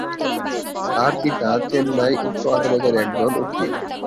তার পিতা চেন্নাই উচ্চ আদালতের একজন উকিল।